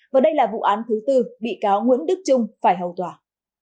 và đây là vụ án thứ tư bị cáo nguyễn đức trung phải hầu tòa